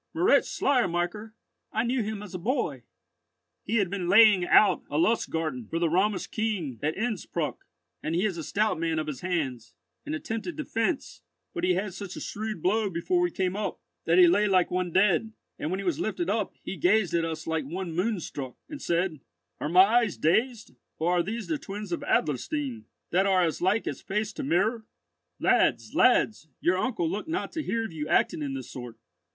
"Moritz Schleiermacher! I knew him as a boy." "He had been laying out a Lustgarten for the Romish king at Innspruck, and he is a stout man of his hands, and attempted defence; but he had such a shrewd blow before we came up, that he lay like one dead; and when he was lifted up, he gazed at us like one moon struck, and said, 'Are my eyes dazed, or are these the twins of Adlerstein, that are as like as face to mirror? Lads, lads, your uncle looked not to hear of you acting in this sort.